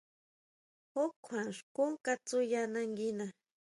Njun kjua xkún kasu ya nanguina.